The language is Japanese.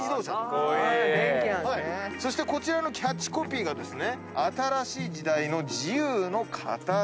そしてこちらのキャッチコピーが「新しい時代の、自由のかたち。」と。